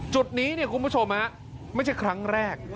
จุดนี้เนี่ยคุณผู้ชมไม่ใช่ครั้งแรก